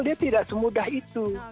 dia tidak semudah itu